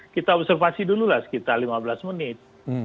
kita observasi dulu lah sekitar lima belas menit